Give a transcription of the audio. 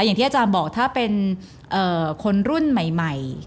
อย่างที่อาจารย์บอกถ้าเป็นคนรุ่นใหม่